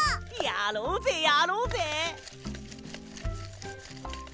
やろうぜやろうぜ！